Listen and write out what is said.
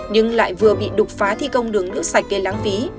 nhưng lại vừa bị đục phá thi công đường nước sạch gây láng phí